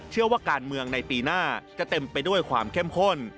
เชื่อว่าการเมืองในปีหน้าจะเต็มไปด้วยความเข้มข้น